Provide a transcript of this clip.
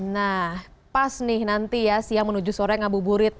nah pas nih nanti ya siang menuju sore ngabuburit